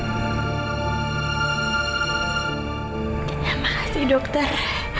ya makasih dokter